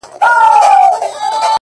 • جهاني چي ما یې لار په سترګو فرش کړه,